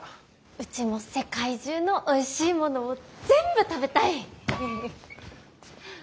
うちも世界中のおいしいものを全部食べたい！